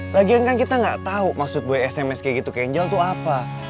lagian kan kita gak tau maksud boy sms kayak gitu ke angel tuh apa